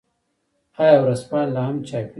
آیا ورځپاڼې لا هم چاپيږي؟